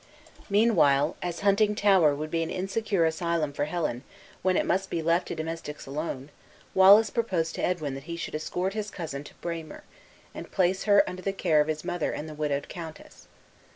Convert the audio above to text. Meanwhile, as Huntingtower would be an insecure asylum for Helen, when it must be left to domestics alone, Wallace proposed to Edwin that he should escort his cousin to Braemar, and place her under the care of his mother and the widowed countess.